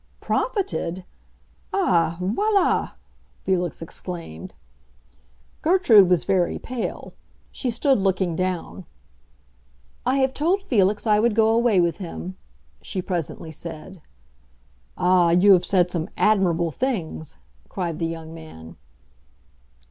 "Profited? Ah voilà!" Felix exclaimed. Gertrude was very pale; she stood looking down. "I have told Felix I would go away with him," she presently said. "Ah, you have said some admirable things!" cried the young man.